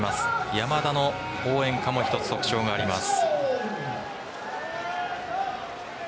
山田の応援歌も一つ、特徴があります。